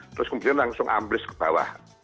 terus kemudian langsung ambles ke bawah